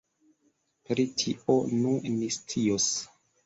Pri tio, nu, ni scios.